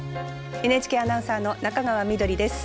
ＮＨＫアナウンサーの中川緑です。